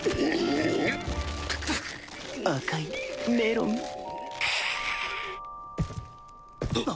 赤いメロンあっ。